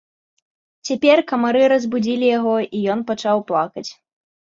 Цяпер камары разбудзілі яго, і ён пачаў плакаць.